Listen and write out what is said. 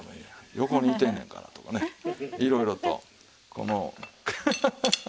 「横にいてんねんから」とかねいろいろとこのハハハ。